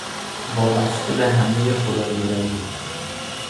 وابسته به همه خداگرایی